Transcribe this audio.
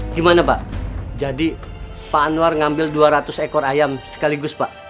gimana pak jadi pak anwar ngambil dua ratus ekor ayam sekaligus pak